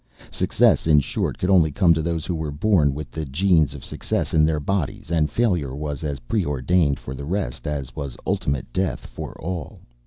Success, in short, could only come to those who were born with the genes of success in their bodies, and failure was as preordained for the rest as was ultimate death for all.